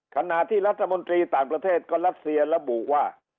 ขณะที่รัฐมนตรีต่างประเทศก็รัสเซียระบุว่า